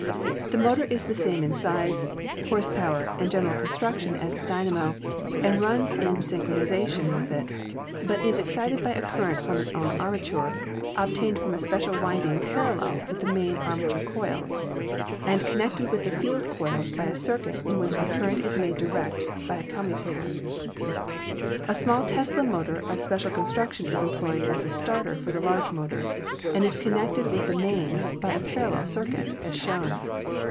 The motor is the same in size, horse power and general construction as the dynamo, and runs in synchronism with it, but is excited by a current from its own armature, obtained from a special winding parallel with the main armature coils, and connected with the field coils by a circuit in which the current is made* direct by a commutator. A small Tesla motor of special construction is employed as a starter for the large motor, and is connected with the mains by a parallel circuit, as shown.